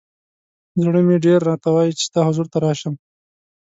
ز ړه مې ډېر راته وایی چې ستا حضور ته راشم.